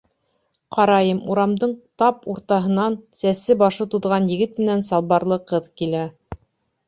Ҡарайым, урамдың тап уртаһынан сәсе-башы туҙған егет менән салбарлы ҡыҙ килә...